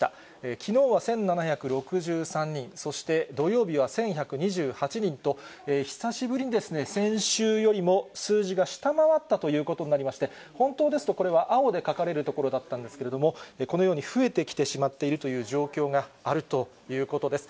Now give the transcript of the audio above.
きのうは１７６３人、そして土曜日は１１２８人と、久しぶりに先週よりも数字が下回ったということになりまして、本当ですと、これは青で書かれるところだったんですけれども、このように増えてきてしまっているという状況があるということです。